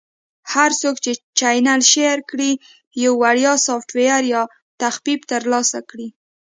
- هر څوک چې چینل Share کړي، یو وړیا سافټویر یا تخفیف ترلاسه کړي.